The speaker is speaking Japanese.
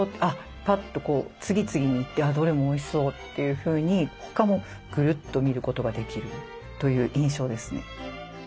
ぱっと次々に行ってどれもおいしそうというふうに他もぐるっと見ることができるという印象ですね。